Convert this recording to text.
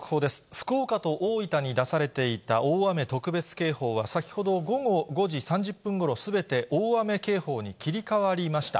福岡と大分に出されていた大雨特別警報は、先ほど午後５時３０分ごろ、すべて大雨警報に切り替わりました。